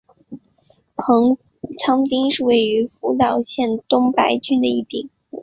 棚仓町是位于福岛县东白川郡的一町。